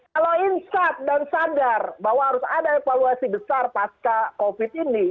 kalau insat dan sadar bahwa harus ada evaluasi besar pasca covid ini